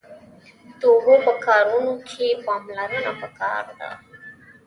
د اوبو په کارونه کښی پاملرنه پکار ده